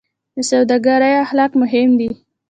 د سوداګرۍ اخلاق مهم دي